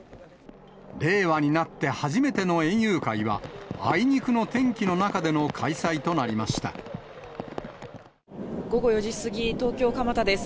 令和になって初めての園遊会は、あいにくの天気の中での開催とな午後４時過ぎ、東京・蒲田です。